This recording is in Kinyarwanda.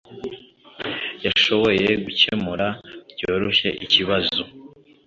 Yashoboye gukemura byoroshye ikibazo.